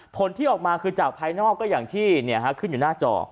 ผลที่ออกมาคือจากภายนอกก็อย่างที่ขึ้นอยู่หน้าจอ